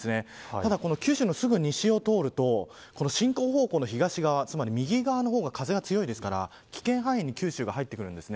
ただ九州の西を通ると進行方向の東側つまり右側の方が風が強いので危険範囲に九州が入ってくるんです。